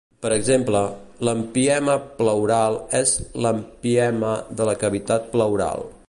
Per exemple, l'empiema pleural és l'empiema de la cavitat pleural.